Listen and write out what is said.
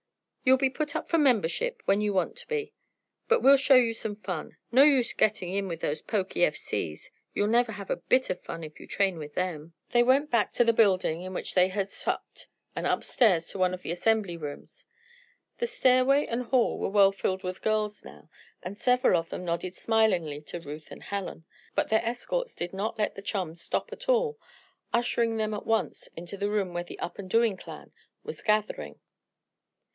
"You'll be put up for membership when you want to be. But we'll show you some fun. No use getting in with those poky F. C.'s. You'll never have a bit of fun if you train with them." They went back to the building in which they had supped and upstairs to one of the assembly rooms. The stairway and hall were well filled with girls now, and several of them nodded smilingly to Ruth and Helen; but their escorts did not let the chums stop at all, ushering them at once into the room where the Up and Doing clan was gathering.